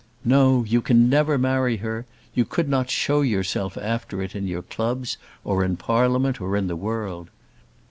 "No, you can never marry her. You could not show yourself after it in your clubs, or in Parliament, or in the world.